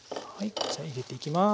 こちら入れていきます。